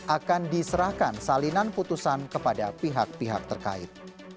akan diserahkan salinan putusan kepada pihak pihak terkait